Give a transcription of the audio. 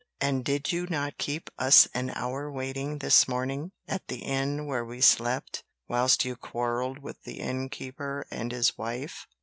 And did you not keep us an hour waiting this morning, at the inn where we slept, whilst you quarrelled with the innkeeper and his wife?"